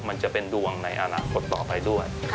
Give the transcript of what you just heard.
มันจะเป็นดวงในอนาคตต่อไปด้วย